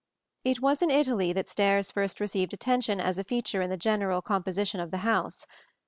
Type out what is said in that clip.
It was in Italy that stairs first received attention as a feature in the general composition of the house.